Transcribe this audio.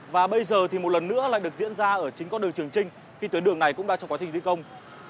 và bây giờ thì một lần nữa lại được diễn ra ở chính con đường trường trinh khi tuyến đường này cũng đang trong quá trình thi công